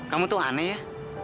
kamu tuh aneh ya